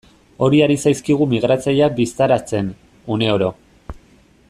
Hori ari zaizkigu migratzaileak bistaratzen, uneoro.